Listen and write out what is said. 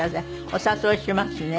お誘いしますね。